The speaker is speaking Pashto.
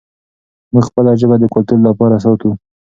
موږ خپله ژبه د کلتور لپاره ساتو.